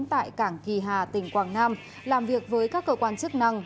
tại cảng kỳ hà tỉnh quảng nam làm việc với các cơ quan chức năng